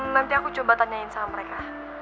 nanti aku coba tanyain sama mereka